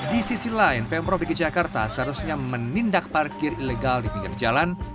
di sisi lain pemprov dki jakarta seharusnya menindak parkir ilegal di pinggir jalan